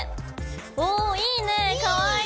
おいいねかわいい！